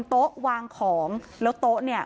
โต๊ะวางของแล้วโต๊ะเนี่ย